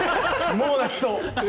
もう泣きそう。